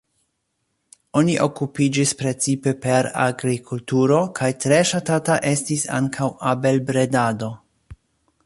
Oni okupiĝis precipe per agrikulturo kaj tre ŝatata estis ankaŭ abelbredado.